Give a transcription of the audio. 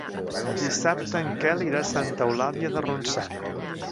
Dissabte en Quel irà a Santa Eulàlia de Ronçana.